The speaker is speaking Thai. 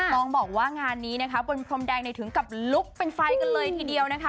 ต้องบอกว่างานนี้นะคะบนพรมแดงถึงกับลุกเป็นไฟกันเลยทีเดียวนะคะ